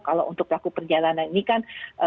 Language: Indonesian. kalau untuk pelaku perjalanan ini kan